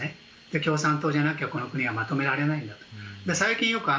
共産党じゃなきゃこの国はまとめられないと。